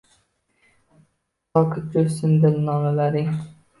Toki jo‘shsin dil nolalaring.